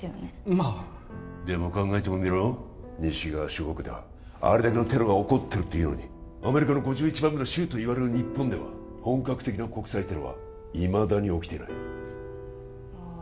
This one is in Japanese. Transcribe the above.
まあでも考えてもみろ西側諸国ではあれだけのテロが起こってるっていうのにアメリカの５１番目の州といわれる日本では本格的な国際テロはいまだに起きていないああ